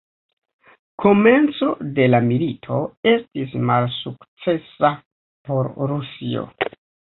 Komenco de la milito estis malsukcesa por Rusio.